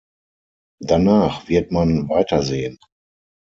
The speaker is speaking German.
Danach wird man weitersehen.